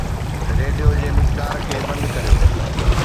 radio جي مقدار کي بند ڪريو